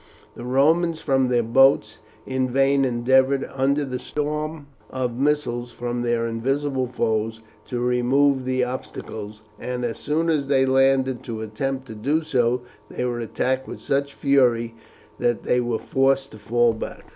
The Romans, from their boats, in vain endeavoured, under the storm of missiles from their invisible foes, to remove the obstacles, and as soon as they landed to attempt to do so they were attacked with such fury that they were forced to fall back.